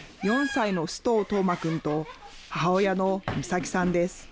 ４歳の須藤叶真くんと母親の美咲さんです。